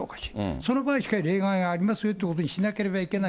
その場合、しかし例外がありますよというふうにしなければいけない。